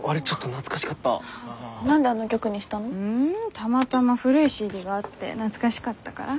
たまたま古いＣＤがあって懐かしかったから。